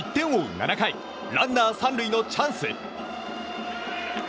７回ランナー３塁のチャンス。